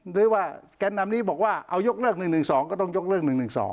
หรือว่าแกนนำนี้บอกว่าเอายกเลิก๑๑๒ก็ต้องยกเลิก๑๑๒